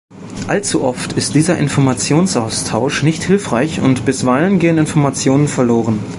Allzu oft ist der Informationsaustausch nicht hilfreich, und bisweilen gehen Informationen verloren.